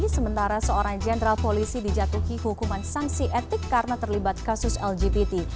sementara seorang jenderal polisi dijatuhi hukuman sanksi etik karena terlibat kasus lgpt